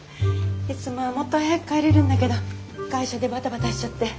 いつもはもっと早く帰れるんだけど会社でバタバタしちゃって。